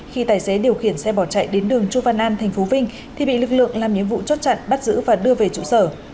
khi tài xế điều khiển xe bỏ chạy đến đường chu văn an tp vinh thì bị lực lượng làm nhiệm vụ chốt chặn bắt giữ và đưa về trụ sở